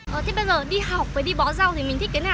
bỏ rau thì mình thích cái nào hơn